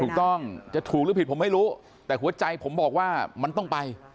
ถูกต้องจะถูกหรือผิดผมไม่รู้แต่หัวใจผมบอกว่ามันต้องไป